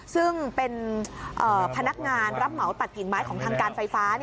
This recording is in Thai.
ซึ่งเป็นพนักงานรับเหมาตัดกิ่งไม้ของทางการไฟฟ้า